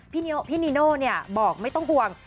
พี่นีโน่บอกไม่ต้องห่วง